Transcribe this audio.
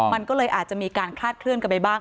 มันก็เลยอาจจะมีการคลาดเคลื่อนกันไปบ้าง